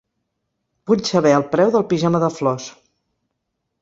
Vull saber el preu del pijama de flors.